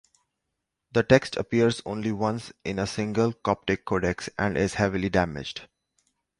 The text appears only once in a single Coptic codex, and is heavily damaged.